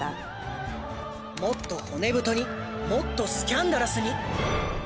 もっと骨太にもっとスキャンダラスに。